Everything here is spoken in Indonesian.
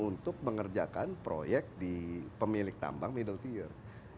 untuk mengerjakan project di pemilik tambang middle tier